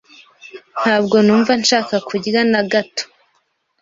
Ntabwo numva nshaka kurya na gato.